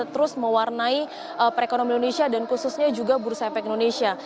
terus mewarnai perekonomian indonesia dan khususnya juga bursa efek indonesia